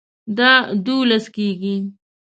دا دوولس کیږي